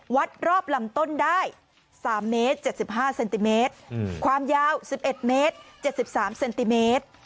วัดรอบลำต้นได้๓เมตร๗๕เซนติเมตรความยาว๑๑เมตร๗๓เซนติเมตร